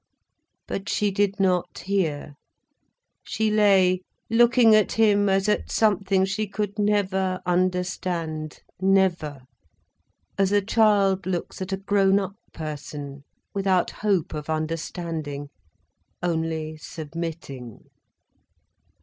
But she did not hear. She lay, looking at him as at something she could never understand, never: as a child looks at a grown up person, without hope of understanding, only submitting.